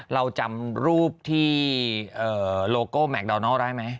เราจำรูปที่โลโก้แมคดาวนอลได้ไหม